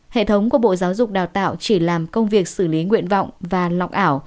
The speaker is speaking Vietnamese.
hệ thống của bộ giáo dục đào tạo chỉ làm công việc xử lý nguyện vọng và lọc ảo